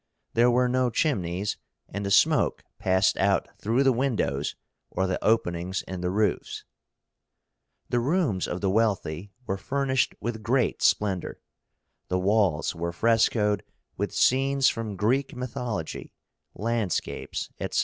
There were no chimneys, and the smoke passed out through the windows or the openings in the roofs. The rooms of the wealthy were furnished with great splendor. The walls were frescoed with scenes from Greek mythology, landscapes, etc.